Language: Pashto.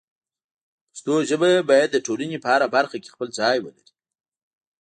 پښتو ژبه باید د ټولنې په هره برخه کې خپل ځای ولري.